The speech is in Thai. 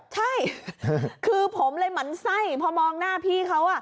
ใช่คือผมเลยหมั่นไส้พอมองหน้าพี่เขา